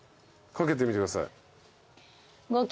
かけてみてください。